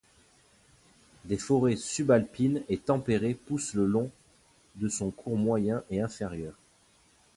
Des forêts sub-alpines et tempérées poussent le long de son cours moyen et inférieur.